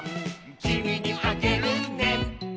「きみにあげるね」